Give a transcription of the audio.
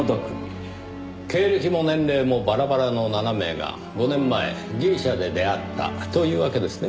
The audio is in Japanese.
経歴も年齢もバラバラの７名が５年前ギリシャで出会ったというわけですね？